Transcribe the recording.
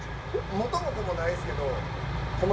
元も子もないですけどホンマ